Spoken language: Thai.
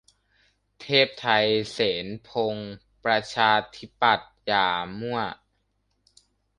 เทพไท เสนพงศ์ ประชาธิปัตย์ อย่ามั่ว